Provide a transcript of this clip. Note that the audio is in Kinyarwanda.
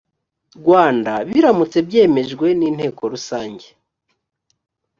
rwanda biramutse byemejwe n inteko rusange